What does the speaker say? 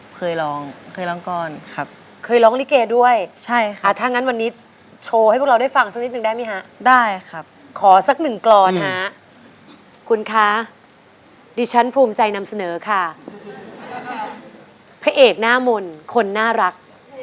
พระเอกหน้ามนคนน่ารัก